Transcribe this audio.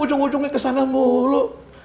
ujung ujungnya kesana mulu